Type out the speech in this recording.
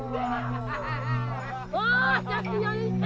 terus mang aja